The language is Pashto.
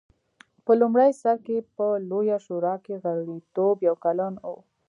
په لومړي سر کې په لویه شورا کې غړیتوب یو کلن و